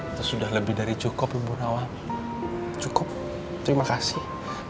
itu sudah lebih dari cukup ibu nawa cukup terima kasih